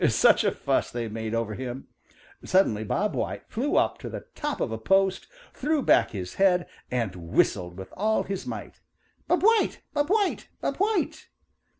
Such a fuss as they made over him! Suddenly Bob White flew up to the top of a post, threw back his head and whistled with all his might, "Bob White! Bob White! Bob White!"